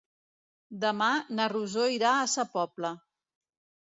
Demà na Rosó irà a Sa Pobla.